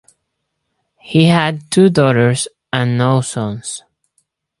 He had two daughters and no sons.